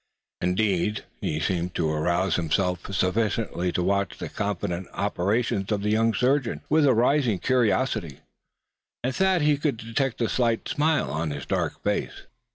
Indeed, he seemed to arouse himself sufficiently to watch the confident operations of the young surgeon with a rising curiosity; and Thad thought he could detect a slight smile on his dark face.